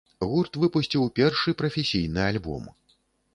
Гурт выпусціў першы прафесійны альбом.